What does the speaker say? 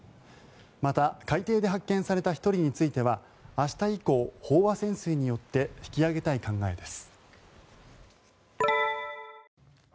また、海底で発見された１人については明日以降、飽和潜水によって引き揚げたい考えです。